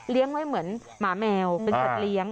เลี้ยงไว้เหมือนหมาแมวเป็นชัดเลี้ยง